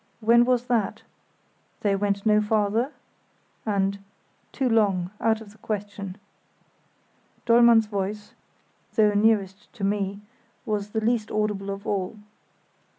"When was that?" "They went no farther?" and "Too long; out of the question." Dollmann's voice, though nearest to me, was the least audible of all.